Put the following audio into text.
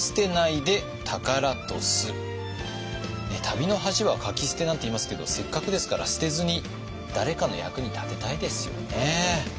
「旅の恥はかき捨て」なんていいますけどせっかくですから捨てずに誰かの役に立てたいですよね。